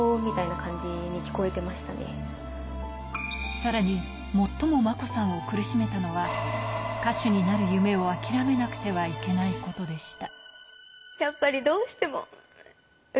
さらに最も真子さんを苦しめたのは歌手になる夢を諦めなくてはいけないことでした。